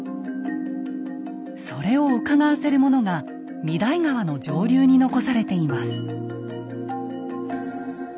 それをうかがわせるものが御勅使川の上流に残されています。